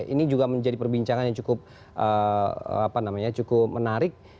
ini juga menjadi perbincangan yang cukup apa namanya cukup menarik